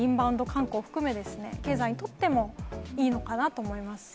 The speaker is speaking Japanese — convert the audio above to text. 観光含め、経済にとってもいいのかなと思います。